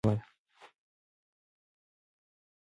خټکی د ورزشکارانو لپاره یوه غوره میوه ده.